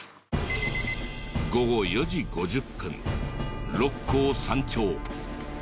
午後４時５０分六甲山頂。